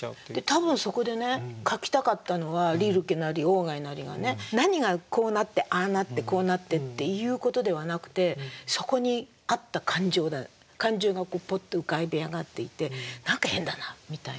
多分そこでね書きたかったのはリルケなり鴎外なりがね何がこうなってああなってこうなってっていうことではなくてそこにあった感情がポッと浮かび上がっていて何か変だなみたいな。